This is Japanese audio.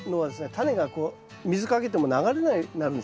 タネが水かけても流れなくなるんですよね。